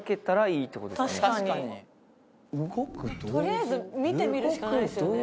取りあえず見てみるしかないですよね。